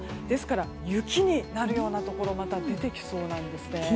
ですから、雪になるところが出てきそうなんですね。